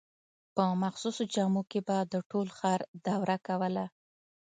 په مخصوصو جامو کې به د ټول ښار دوره کوله.